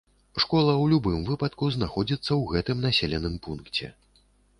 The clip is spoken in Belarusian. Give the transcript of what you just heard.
Школа ў любым выпадку знаходзіцца ў гэтым населеным пункце.